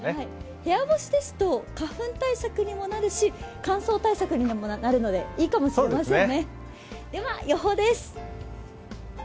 部屋干しですと、花粉対策にもなるし、乾燥対策にもなるのでいいかもしれませんね。